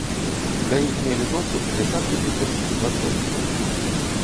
Да іх мелі доступ дзясяткі тысяч супрацоўнікаў.